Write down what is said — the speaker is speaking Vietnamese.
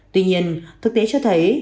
tuy nhiên thực tế cho thấy